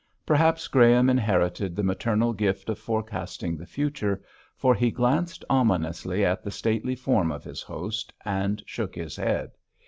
Perhaps Graham inherited the maternal gift of forecasting the future, for he glanced ominously at the stately form of his host, and shook his head.